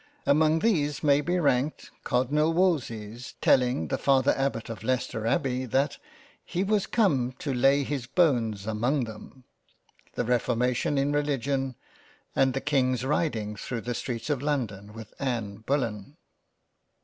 Among these may be ranked Cardinal Wolsey's telling the father Abbott of Leicester Abbey that " he was come to lay his bones among them," the reformation in Religion and the King's riding through the 88 £ THE HISTORY OF ENGLAND £ streets of London with Anna Bullen.